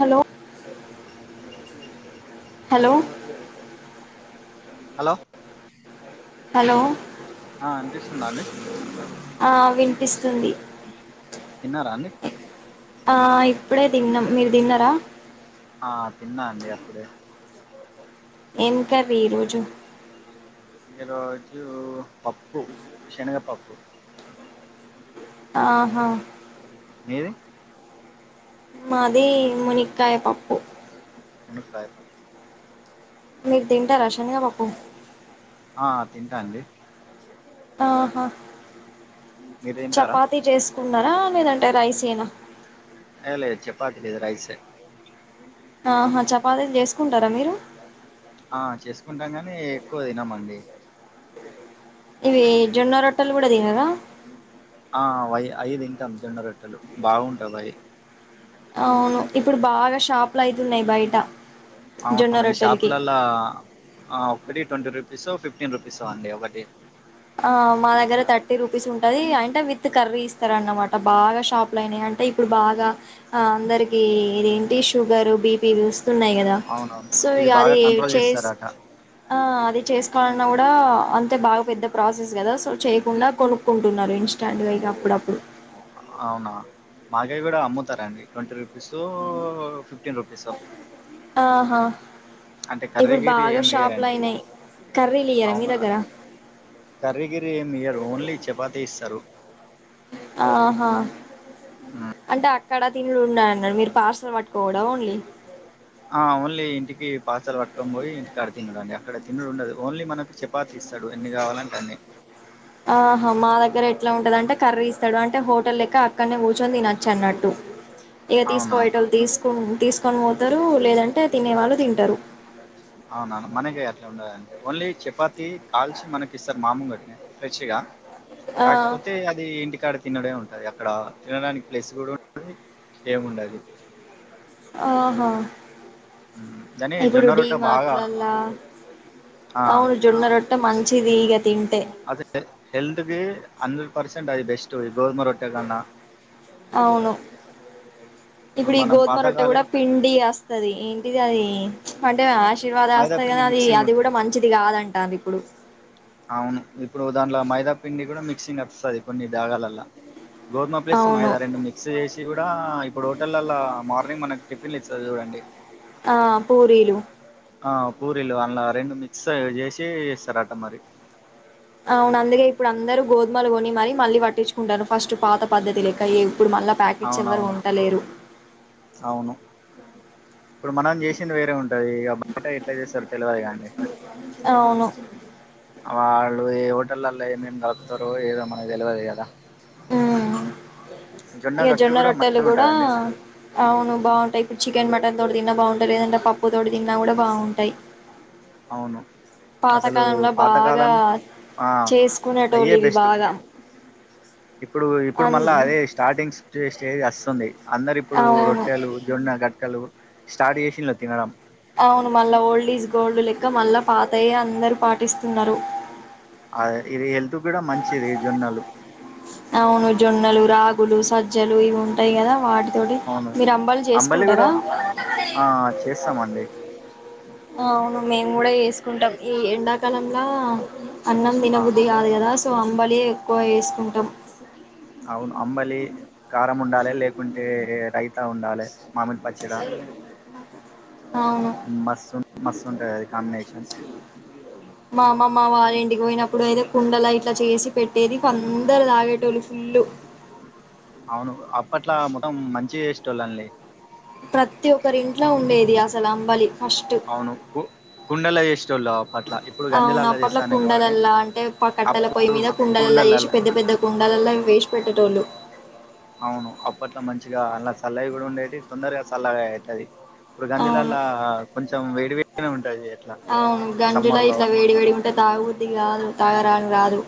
Hello hello hello hello ఆ అనిపిస్తుందా అండి ఆ వినిపిస్తుంది తిన్నారా అండి ఆ ఇప్పుడే తిన్నాం మీరు తిన్నారా ఆ తిన్న అండి ఆప్పుడే ఏం కర్రీ ఈరోజు ఈరోజు పప్పు శనగపప్పు ఆహా మీది మాది మునిక్కయ పప్పు మునక్కాయ పప్పు మీరు తింటార శనిగా పప్పు ఆ తింటా అండి ఆహా మీరు తింటారా చపాతి చేస్ కున్నారా లేదంటే రైసేనా ఏ లేదు చెపతీ లేదు రైసే ఆహా చపాతీలు చేసుకుంటారా మీరు ఆ చేసుకుంటాం గాని ఎక్కువ తినం అండి ఇవి జొన్న రోట్టలు కూడా తినరా ఆ అయ్యి తింటాం జొన్న రొట్టెలు బాగుంటయి వాయి అవును ఇప్పుడు బాగా షాపులు అయితున్నాయి బయట జొన్న అవును ఈ రొట్టెలకి షాపులల్ల ఆ ఒకటి ట్వంటీ రూపీసో, ఫిఫ్టీన్ రుపీసో అండి ఒకటి. ఆ మా దగ్గర థర్టీ రూపీస్ ఉంటది. అంటే విత్ కర్రీ ఇస్తారన్నమాట, బాగా షాప్ లైనాయి అన్ టే ఇప్పుడు బాగా, ఆ అందరికి ఇదేంటి షుగర్, బీపీ లు ఉస్త్ న్నాయి కదా. అవునవును సో ఇది ఇగా బాగా అది కంట్రోల్ చేస్, చేస్తారట ఆ అది చేస్ కాన్నా గుడా, అంతే బాగా పెద్ద ప్రాసెస్ గదా, సో చేయకుండా కొనుక్కుంటున్నారు ఇన్స్టాంట్గా, ఇగా అప్పుడప్పుడు. ఆ అవునా. మాకేయ్ గుడా అమ్ముతారండి, ట్వంటీ రూపీసో, ఫిఫ్టీన్ రూపీసో. ఆహా. అంటే కర్రి, ఇప్పుడు గిర్రి బాగా ఏమి షాపులు ఇయ్యరండి. అయినాయి కర్రీలు ఇయ్యరా మీ అవునా, దగ్గర కర్రి గిర్రి ఏం ఇయ్యరు, ఓన్లీ చపాతీ ఇస్తారు. ఆహా. హ్మ్. అంటే అక్కడ తినుడు ఉండదు అన్నాట్టు, మీర్ పార్సల్ పట్టుకోపోవుడ ఓన్లీ. ఆ ఓన్లీ ఇంటికి పర్సిల్ పట్టుకోని పోయి, ఇంటికి కాడా తినుడటా. ఇక్కడ తినుడుండదు, ఓన్లీ మనకు చపాతీ ఇస్తాడు ఎన్ని కావాలంటే అన్ని. ఆహా మా దగ్గర ఎట్లా ఉంటది అంటే, కర్రీ ఇస్తాడు అంటే హోటల్ లెక్క, అక్కనే కూర్చొని తినచ్చు అన్నట్టు. [inaudible] ఇగ అవునా తీసుకోపోయేటోళ్ళు తీస్కున్ తీస్కొని పోతారు, లేదంటే తినే వాళ్ళు తింటారు. అవునా మనకెయ్యి అట్లా ఉండదండి. ఓన్లీ చపాతి కాల్చి మనకి ఇస్తారు మాము గట్టి. ఫ్రెష్ గా, ఆ కాకపోతే అది ఇంటికాడది తినుడే ఉంటది అక్కడ, తినడానికి ప్లేస్ కూడా ఉండది, ఏం ఉండది. ఆహా. హ్మ్. కానీ ఇప్పుడు జొన్న రొట్ట డిమార్ట్ బాగా లల్లా, ఆ అవును జొన్న రోట్ ట్టె మంచిదిగద్. అదే హెల్త్కి, హండ్రెడ్ పర్సెంట్ అది బెస్ట్. [inaudible] గోధుమ రొట్టె కన్నా, అవును ఇప్పుడు ఈ మనం గోధుమ రొట్టె పాతకాల కూడా, పిండి అస్తది. ఏంటిది అది అంటే, ఆశీ ఆశీర్వాద్ మైదా అస్తది పిండి కానీ అది, మిక్సింగ్ అది గుడా ఉంటది మంచిది కాదు అంటారు ఇప్పుడు. అవును, ఇప్పుడు దాంట్ల మైదా పిండి కూడా మిక్సింగ్ అస్తది కొన్ని జాగాలాల్ల. గోధుమ ప్లస్ అవును మైదా రెండు మిక్స్ చేసి గుడా, డా ఇప్పుడు హోటలల్లా, మార్నింగ్ మనకి టిఫిన్లు ఇస్తరు చూడండి ఆ పూరీలు ఆ పూరీలు, అన్లా రెండు మిక్స్ చేసి ఇస్తారట మరి. అవును అందుకే ఇప్పుడు అందరు గోధుమలు కొని మరీ, మళ్ళీ పట్టించుకున్టరు ఫస్ట్ పాత పద్ధతి లెక్క ఏ ప్యాకెట్స్ ఎవ్వరు అవునవును కొంటలేరు. అవును. ఇప్పుడు మనం చేసింది వేరే ఉంటది, ఇగా బయట ఎట్లా చేస్తారో తెలువదు కదండి. అవును వాళ్ళు ఏ హోటలల్లో ఏమేం గలుపుతారో, ఏదో మన తెెలివదు కదా. ఉమ్మ్, ఇగ గట్టు జొన్న కూడా రొట్టెలు మంచిగా గుడా ఉంటదండి అవును బావుంటాయి. చికెన్, మటన్ తోటి తిన్నా బాగుంటాయి. లేదంటే పప్పుతోటి తిన్నా గుడా బావుంటాయి. అవును. అసలు బాగా పాతకాలం, ఆ చేసుకునేటోళ్ళు అయ్యే ఇవి బెస్ట్. బాగా ఇప్పుడు, ఇప్పుడు అన్ మళ్ళా అదే స్టార్టింగ్స్ స్టేజ్ అస్తుంది. అందరు ఇప్పుడు అవును రొట్టెలు, జొన్న గట్కలు స్టార్ట్ చేసిన్లు తినడం. అవును మళ్ళా ఓల్డ్ ఈజ్ గోల్డ్ లెక్క, మళ్ళా పాతయే అందరూ పాటిస్తున్నారు. అ ఇది హెల్త్ కూడా మంచిది జొన్నలు అవును జొన్నలు రాగులు సజ్జలు ఇవి ఉంటాయి కదా వాటి తోటి అవును మీరు అంబలి చేసుకుంటరా ఆ చేస్తామండి అవును మేము కూడా చేసుకుంటాం ఈ ఎండాకాలంల అన్నం ఆ తినబుద్ధి కాదు కదా సో అంబలి ఎక్కువ చేసుకుంటాం అవును అంబలి కారం ఉండాలి లేకుంటే రైతా ఉండాలే మామిడి పచ్చడ అవును మస్తు మస్తుంటది అది కాంబినేషన్ మా అమమ్మ వాళ్ళ ఇంటికి పోయినప్పుడు అయితే కుండల ఇట్లా చేసి పెట్టేది ఇంకందరు తాగేటోళ్ళు ఫుల్లు అవును అప్పట్లా మొత్తం మంచి చేసేటోల్లండి ప్రతి ఒక్కరి ఇంట్లో ఉండేది అసలు అంబలి ఫస్ట్ అవును కు కుండల్ల చేసేటోళ్ళు అప్పట్ల ఇప్పుడు గంజూలల్లా చేస్తున్న రెమోగాని కట్టల పొయి మీద కుండలల్ల చేసి పెద్ద పెద్ద కుండలల్ల వేసి పెట్టేటోళ్ళు అవును అప్పట్లో మంచిగా అలా సల్లవి కూడా ఉండేటియి తొందరగా సల్లగయ్యేది ఇప్పుడు అవును గంజూలల్లా కొంచెం వేడి వేడిగనే ఉంటది ఎట్లా అవును గంజులా సమ్మర్ లో ఇట్లా వేడి వేడిగుంటే తాగబద్ది కాదు తాగరానీకి రాదు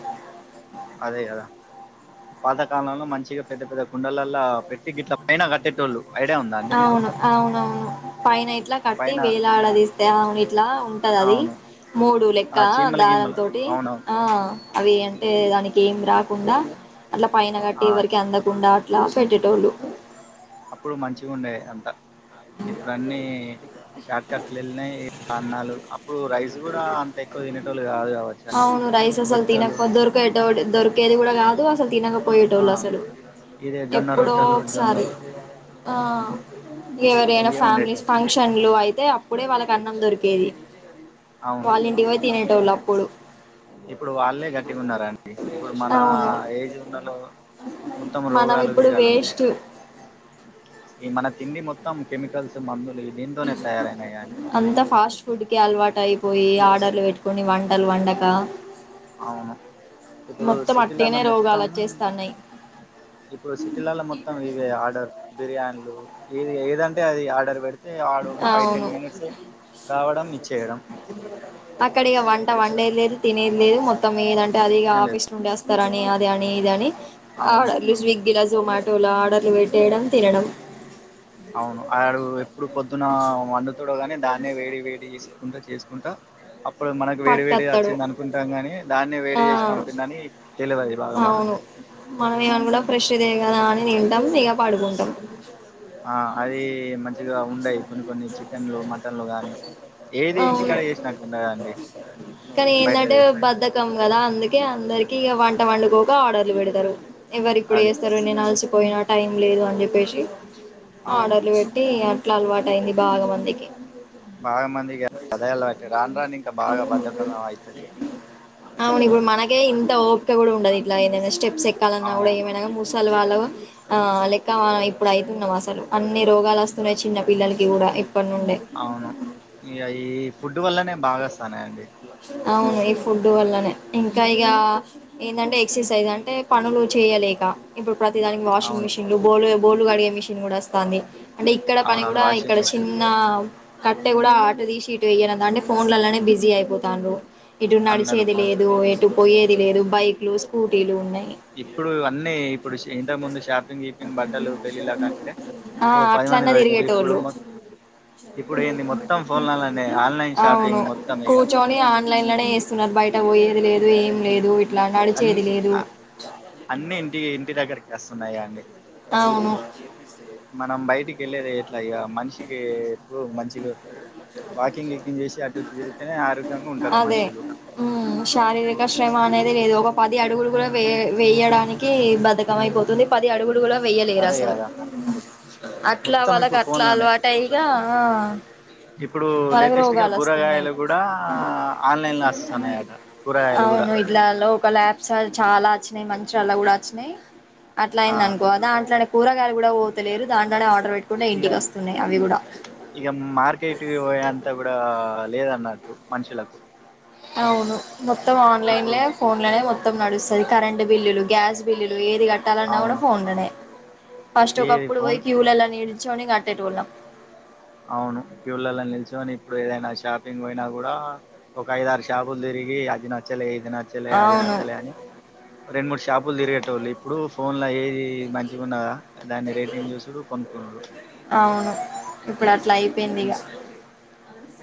అదే గదా పాత కాలంలో మంచిగా పెద్ద పెద్ద కుండలల్ల పెట్టి గిట్ల పైన కట్టేటోళ్ళు ఐడియా ఉందా అండి మీకు అవును అవునవును పైన ఇట్లా కట్టి పైన వేలాడదీస్తే అవును ఇట్లా ఉంటది అది అవును మూడు లెక్క ఆ చీమల దారం గీమలు తోటి అవునవును ఆ అవి టె దానికి ఏం రాకుండా అట్లా పైన కట్టి ఆ ఎవరికి చ్- అందకుండా దాసి పెట్టేటోల్లు అప్పుడు మంచిగ ఉండేది అంతా ఇప్పుడు అన్నీ షార్ట్ కట్లు వెల్లినయి ఇగ అన్నాలు అప్పుడు రైస్ కూడా అంత ఎక్కువ తినేటోళ్ళు కాదుగా అవును రైస్ అసలు తినకపో దొరికే దొరికేది కూడా గాదు అసలు తినకపో ఆ పోయేటోల్లు అసలు ఇదే జొన్న ఎప్పుడో రొట్టెలు ఒకసారి జొన్నలు ఆ ఇగ ఎవరియి అయిన ఇవే ఫ్యామిలీస్ ఉండేటివి ఫంక్షన్లు అయితే తే అప్పుడే వాళ్ళకి అన్నం దొరికేది అవును వాళ్ళ ఇంటికి పోయి తినేటోళ్ళు అప్పుడు ఇప్పుడు వాళ్ళే గట్టిగా ఉన్నారండి ఇప్పుడు మన అవును ఏజ్ ఉన్నోళ్ళు మొత్తం మనం రోగాలు ఇప్పుడు గీగాలు ఉన్నాయి వేస్ట్ మన తిండి మొత్తం కెమికల్స్ మందులు దీంతోనే తయారైనాయి అండి మొత్తం అంతా ఫాస్ట్ ఫుడ్ కి అలవాటయి పోయి ఆర్డర్లు పెట్టుకొని వంటలు వండక అవును ఇప్పుడు మొత్తం సిటీలల్ల అట్టేనే రోగాలు మొత్తం వచ్చేస్తాన్నాయి ఇప్పుడు సిటీలల్ల మొత్తం ఇవే ఆర్డర్ బిర్యానీలు ఇది ఏదంటే అది ఆర్డర్ పెడుతు తే ఆడు ఒక ఫైవ్ అవును టెన్ మినిట్స్ రావడం ఇచ్చేయడం అంటే వండేది లేదు తినేది లేదు మొత్తం ఏదంటే అది ఇగ ఏం లేదు ఆఫీస్ నుండే వస్తరు అని అది అని ఇది అని అవును ఆర్డర్లు స్విగ్గిల జొమాటోల ఆర్డర్లు పెట్టేయడం తినడం అవును ఆడు ఎప్పుడు పొద్దున వండుతడో గాని దాన్నే వేడి వేడి చేసుకుంటా చేసుకుంటా అప్పుడు మనకు వేడి వేడిది పట్టుకత్తడు వచ్చింది అనుకుంటాం గాని దాన్ని ఆ వేడి చేసి పంపిండని తెలవది బాగా అవును మందికి మనం ఏమనుకుంటాం ఫ్రెష్దే కదా అని తింటాం ఇగ పడుకుంటాం ఆ అది మంచిగా ఉండయి కొన్ని కొన్ని చికెన్లు మటన్లు కానీ ఏది ఇంటికాడ అవును చేసినట్టు ఉండదండి కానీ ఏందంటే బయటది బద్దకం గదా అందుకే అందరికి ఇగ వంట వండుకోక ఆర్డర్లు పెడతారు ఎవరిప్పుడు అది చేస్తారు నేను అలసిపోయినా టైం లేదు అని చెప్పేసి అవును ఆర్డర్లు పెట్టి ఇగ అట్లా అలవాటు అయ్యింది బాగా మందికి బాగా మందికి కదే అలవాటు రాను రాను ఇంకా బాగా బద్ధకాలం అయితాది అవును ఇప్పుడు మనకే ఇంత ఓపిక కూడా ఉండదు ఇట్లా ఏదైనా స్టెప్స్ ఆ ఎక్కాలన్నా కూడా ఏమైనా మూసాల వాళ్ళమ ఆ లెక్క ఆ ఇప్పుడు అయితున్నాయి అసలు అన్ని రోగాలు వస్తున్నాయి చిన్న పిల్లలకి కూడా ఇప్పటి నుండే అవును ఇక ఈ ఫుడ్ వల్లనే బాగా వస్తాన్నాయి అండి అవును ఈ ఫుడ్ వల్లనే ఇంకా ఇక ఏదంటే ఎక్సర్సైజ్ అంటే పనులు చేయ్యాలేము ఇప్పుడు ప్రతి దానికి వాషింగ్ అవును మిషన్లు బోలు బోలు కడిగే మిషన్ కూడా వస్తాంది అంటే ఇక్కడ పని అవునవును కూడా ఇక్కడ వాషింగ్ మిషిన్ చిన్న కట్టె కూడా ఆట తీసి ఇటు వెయ్యడం గాని ఫోన్లలోనే బిజీ అయిపోతాండు ఇటు అందరు నడిచేది ఫోన్లు లేదు ఎటు పోయ్యెది లేదు బైక్లు స్కూటీలు ఉన్నాయి ఇప్పుడు అన్నీ ఇప్పుడు ఇంతకు ముందు షా షాపింగ్ గిపింగ్ బట్టలు పెళ్ళిల్లకంటే ఆ ఓ పది మంది అట్లన్నా పోయ్యెటొళ్ళు ఇప్పుడు తిరిగేటోళ్ళు మొత్త ఇప్పుడు ఏంది మొత్తం ఫోన్లలోనే ఆన్లైన్ షాపింగ్ మొత్తం ఇక ఆన్లైన్ లోనే చేస్తున్నారు బయట పోయ్యేది లేదు ఏం లేదు ఇట్లా అన్ని నడిచేది లేదు అన్ని ఇంటి ఇంటి దగ్గరకి వస్తున్నాయా అండి అవును మనం బయటికి వెళ్ళేది ఎట్లా ఇక మనిషికి ఎప్పుడు మంచి ఇగో వాకింగ్ గికింగ్ చేసి అటు ఇటు తిరిగితేనే ఆరోగ్యంగా ఉంటారు అదే మనుషులు ఉమ్ ఇప్పుడు శారీరక శ్రమ అనేది లేదు ఒక పది అడుగులు కూడా వే వేయ్యడానికి బధ్ధాకం అయిపోతుంది పది అడుగులు కూడా వెయ్యలేరు అదే అసలు కదా అట్లా మొత్తం వాళ్ళకు ఇప్పుడు అట్లా ఫోన్లోనే అలవాటు అయిగా ఆ ఇప్పుడు లేటెస్ట్ గా కూరగాయలు కూడా ఆన్లైన్ లో వస్తాన్నాయట కూరగాయలు కూడా అవును ఇట్లా లోకల్ యాప్స్ ఆ చాలా వచ్చినాయి మంచి అలా కూడా వచ్చినాయి అట్లా ఆ అయింది అనుకో దాంట్లొనే కూరగాయలు కూడా పోతలేరు దాంట్లోనే ఆర్డర్ పెట్టుకుంటే ఇగ ఇంటికి వస్తున్నాయి అవి కూడా కిందకి పోయంతా కూడా అంతా లేదన్నట్టు మనుషులకు అవును మొత్తం ఇప్పుడు ఆన్లైన్లే ఫోన్ లోనే మొత్తం నడుస్తు కరెంటు బిల్లులు గ్యాస్ బిల్లులు ఏది కట్టాలన్నా కూడా అవును ఫోన్లోనే ఫస్ట్ ఏది ఒకప్పుడు ఫోన్ పోయ్యి క్కూళ్ళ లో నిలుచోని కట్టెటొళ్ళం అవును క్కూళ్ళల్లో నిల్చుని ఇప్పుడు ఏదైనా షాపింగ్ పోయినా కూడా ఒక ఐదు ఆరు షాపులు తిరిగి అది నచ్చలే ఇది నచ్చలే అది అవును నచ్చలే అని రెండు మూడు షాపులు తిరిగేటోళ్ళు ఇప్పుడు ఫోన్లో ఏది మంచిగా ఉన్నదా దాన్ని రేటింగ్ చూసుడు కొనుక్కున్నుడు అవును ఇప్పుడు అట్లా అయిపోయింది ఇగ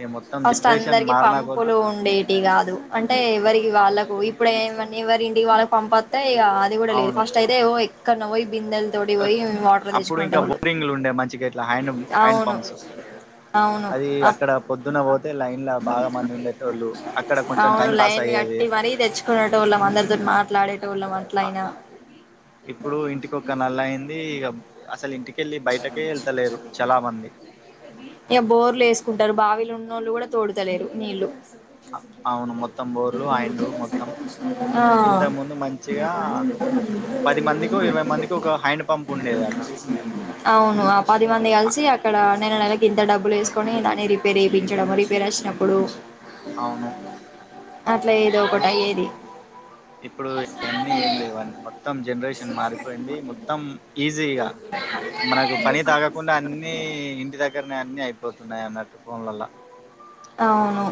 ఈ మొత్తం ఫస్ట్ జనరేషన్ అందరికి మారిన కొద్దీ పంపులు ఉండేటివిగా అంటే ఎవరికి వాళ్ళలకు ఇప్పుడు ఏమని ఎవరి ఇంటికి వాళ్ళకి పంపు వత్తాయి అది కూడా లేదు అవును ఫస్ట్ అయితే ఎక్కడనో పోయి బిందెల తోటి పోయి వాటర్ అప్పుడు ఇంకా తెచ్చుకునేటోళ్ళు బోరింగ్లు ఉండే మంచిగా ఇట్లా హ్యాండ్ హ్యాండ్ అవును పంప్స్ అవును అది అప్ అక్కడ పొద్దున్న పోతే లైన్ లో బాగా మంది ఉండేటోళ్ళు అక్కడ కొంచెం టైం పాస్ అయి గట్టి మరీ తెచ్చుకునేటోళ్ళం అందరితో మాట్లాడి ఇప్పుడు ఇంటికొక్క నల్ల అయ్యింది ఇక అసలు ఇంటికి కెళ్ళి బయటకే వెళ్తలేరు చాలా మంది ఇక బోర్లు వేసుకుంటారు బావిలు ఉన్నోళ్ళు కూడా తోడుతలేరు నీళ్లు [inaudible] అవును మొత్తం బోర్లు హైండ్లు మొత్తం ఇన్ ఇంతకు ముందు మంచిగా పది మందికో ఇరవై మందికి ఒక హ్యాండ్ పంప్ ఉండేదట అవును ఆ పదిమంది కలిసి అక్కడ నెల నెలకి ఇంత డబ్బులేసుకొని దాన్ని రిపేర్ చేయిపించడం రిపేర్ వచ్చినప్పుడు అవును అట్లా ఏదో ఇప్పుడు ఒకటి అయ్యేది ఇప్పుడువన్నీ ఏం లేవండి మొత్తం మొత్తం జనరేషన్ మారిపోయింది మొత్తం అంతే ఇగ మనకు పని తగ్గకుండా అన్ని ఇంటి దగ్గ దగరనే అన్ని అయిపోతున్నాయి అన్నట్టు ఫోన్ లల్ల అవును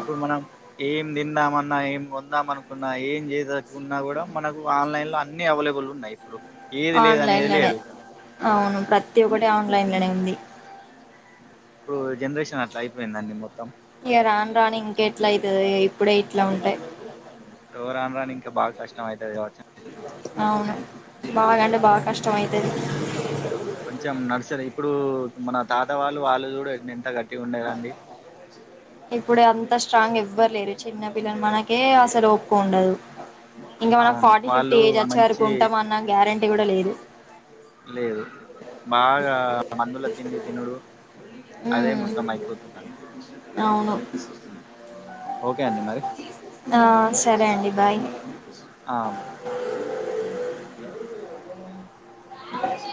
ఏం తిందామన్నా ఏం కొందామనుకున్నా ఏం చేయదలచుకున్నా కూడా మనకు ఆన్లైన్ లో అన్ని అవైలబుల్ ఉన్నాయి ఇప్పుడు ఏది లేదు అనేది ఆన్లైన్లోనే లేదు ఇక అవును ప్రతి ఒక్కటి ఆన్లైన్లోనే ఉంది ఇప్పుడు జనరేషన్ అట్లా అయిపోయిందండి మొత్తం ఇగ రాను రాను ఇంకెట్లా అయితది ఇప్పుడే ఇట్లా ఉంటే రాను రాను నింకా బా కష్టమయితది కావచ్చు అవును బాగాంటే బాగా కష్టం అయితది కొంచెం నర్సరి ఇప్పుడు మన తాతవాళ్ళు వాళ్ళు చూడు ఎంత గట్టిగా ఉండేదండి ఇప్పుడే అంత స్ట్రాంగ్ ఎవ్వరు లేరు చిన్న పిల్లలు మనకే అసలు ఒపిక ఉండదు ఇంకా మనం అవును ఫార్టీ ఫిఫ్టీ వాళ్ళు ఏజ్ వచ్చే వరకు మంచి ఉంటాం అన్న గ్యారంటీ కూడా లేదు లేదు బాగా మందుల తిండి తినుడు అదే ఉమ్, మొత్తం అయిపోతుందండి ఇ స ఓకే అండి మరి ఆ సరే అండి బాయ్ [unintelligible] [inaudible]